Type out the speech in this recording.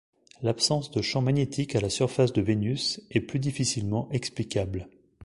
L'absence de champ magnétique à la surface de Vénus est plus difficilement explicable.